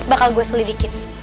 bakal gue selidikin